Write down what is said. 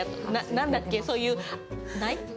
何だっけ、そういうない？